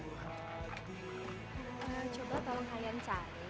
soalnya kasihan tuh ibu